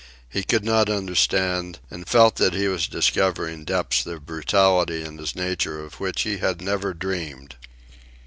He could not understand, and felt that he was discovering depths of brutality in his nature of which he had never dreamed.